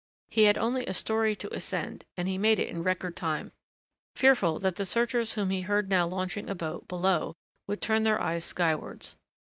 He had only a story to ascend and he made it in record time, fearful that the searchers whom he heard now launching a boat below would turn their eyes skywards.